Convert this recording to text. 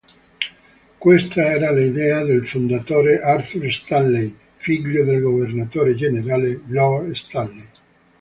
Questa era l'idea del fondatore Arthur Stanley, figlio del governatore generale Lord Stanley.